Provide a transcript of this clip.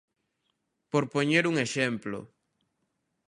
Por poñer un exemplo.